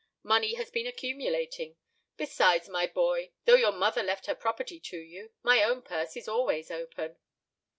Money has been accumulating. Besides, my boy, though your mother left her property to you, my own purse is always open."